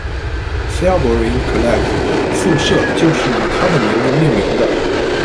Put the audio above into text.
Selborne College 的宿舍就是以他的名字命名的。